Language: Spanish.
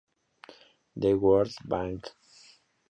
The World Bank"